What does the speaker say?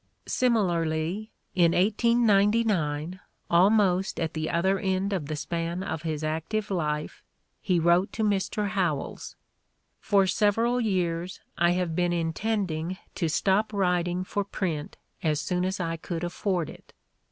Similarly, in 1899, almost at the other end of the span of his active life, he wrote to Mr. Howells: "For several years I have been intending to stop writing for print as soon as I could afford it.